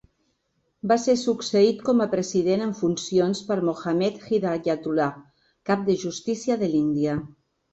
Va ser succeït com a president en funcions per Mohammad Hidayatullah, cap de justícia de l'Índia.